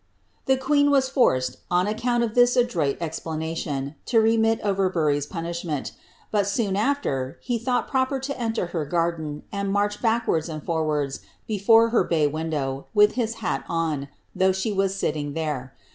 '^* The queen was forced, on account of this adroit explanation, to remit Overbury's punishment ; but soon after, he thought proper to enter her garden, and march backwards and forwards before her bay window, with his hat on, though she was sitting there.